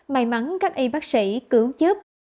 may mắn các y bác sĩ cứu chấp